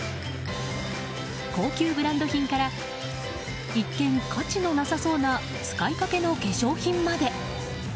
高級ブランド品から一見、価値のなさそうな使いかけの化粧品まで。